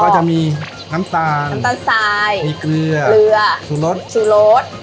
จะมีน้ำตาลน้ำตาลทรายมีเกลือเกลือชูรสซูรส